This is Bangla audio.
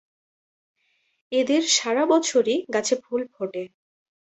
এদের সারা বছরই গাছে ফুল ফোটে।